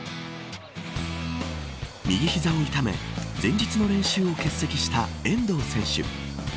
右膝を痛め前日の練習を欠席した遠藤選手。